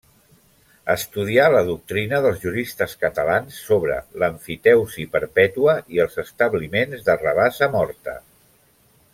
Estudià la doctrina dels juristes catalans sobre l'emfiteusi perpètua i els establiments de rabassa morta.